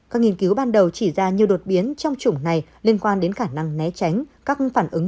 các nghiên cứu ban đầu chỉ ra nhiều đột biến trong chủng này liên quan đến khả năng kháng vaccine nhưng không đúng